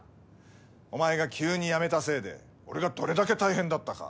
お前が急に辞めたせいで俺がどれだけ大変だったか。